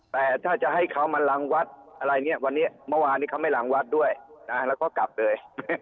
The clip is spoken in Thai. แต่ถ้าจะให้เค้ามันหลังวัดวันนี้เมื่อวานนี้เค้าไม่หลังวัดด้วยนานแล้วก็กลับเลย